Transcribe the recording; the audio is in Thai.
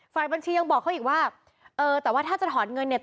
บัญชียังบอกเขาอีกว่าเออแต่ว่าถ้าจะถอนเงินเนี่ย